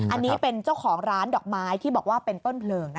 อันนี้เป็นเจ้าของร้านดอกไม้ที่บอกว่าเป็นต้นเพลิง